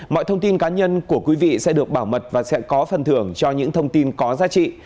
mọi thông tin cá nhân của quý vị sẽ được bảo mật và sẽ có phần thưởng cho những thông tin có giá trị